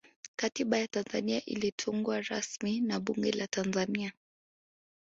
katiba ya tanzania ilitungwa rasmi na bunge la tanzania